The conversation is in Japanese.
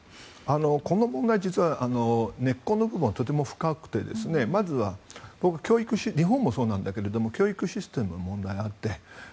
この問題、実は根っこの部分がとても深くてまず、日本もそうだけど教育システムの問題があって。